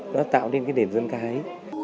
nó tạo nên cái đền dân ca ấy